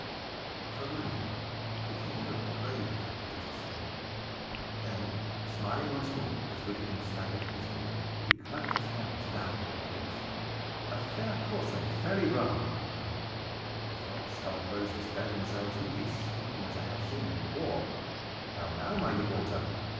For a moment the King looked grave at that prodigious fall. Then smiling once more as Widdicombe staggered to his feet, he clapped his hands loudly in applause. "A fair course and fairly run!" he cried. "The five scarlet roses bear themselves in peace even as I have seen them in war. How now, my good Walter?